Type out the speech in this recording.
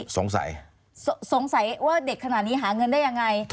สงสัยสงสัยว่าเด็กขนาดนี้หาเงินได้ยังไง